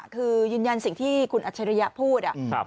คือยืนยันสิ่งที่คุณอัจฉริยะพูด